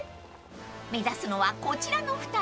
［目指すのはこちらの２人］